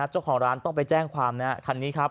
เจ้าของร้านต้องไปแจ้งความนะ